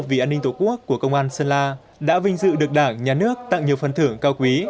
vì an ninh tổ quốc của công an sơn la đã vinh dự được đảng nhà nước tặng nhiều phần thưởng cao quý